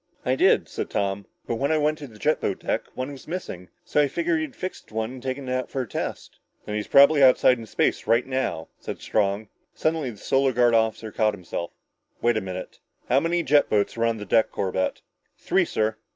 "I did," said Tom, "but when I went to the jet boat deck, one was missing. So I figured he had fixed one and taken it out for a test." "Then he's probably outside in space now!" said Strong. Suddenly the Solar Guard captain caught himself. "Wait a minute! How many jet boats were on the deck, Corbett?" "Three, sir."